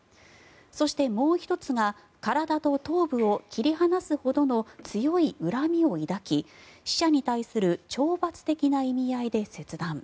そして、もう１つが体と頭部を切り離すほどの強い恨みを抱き、死者に対する懲罰的な意味合いで切断。